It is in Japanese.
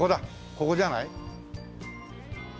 ここじゃない？